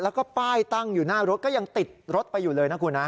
แล้วก็ป้ายตั้งอยู่หน้ารถก็ยังติดรถไปอยู่เลยนะคุณนะ